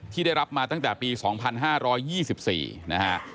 ที่ได้รับมาตั้งแต่ปี๒๕๒๔นะฮะ